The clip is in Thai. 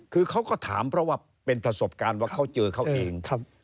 คือเขาก็ถามเพราะว่าเป็นประสบการณ์ว่าเขาเจอเขาเอง